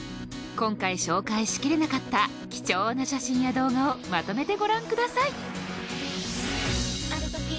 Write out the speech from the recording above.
今回紹介しきれなかった貴重な写真や動画をまとめてご覧ください